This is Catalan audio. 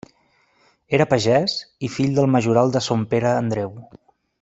Era pagès i fill del majoral de Son Pere Andreu.